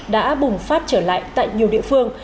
đã bùng phát trở lại tại nhiều địa phương